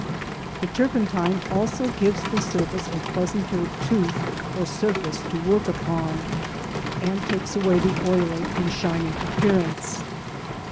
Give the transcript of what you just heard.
The turpentine also gives the surface a pleasanter "tooth," or surface to work upon, and takes away the oily and shiny appearance.